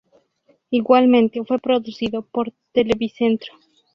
Igualmente fue producido por Televicentro.